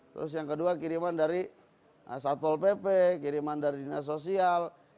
terus yang kedua kiriman dari satpol pp kiriman dari dinas sosial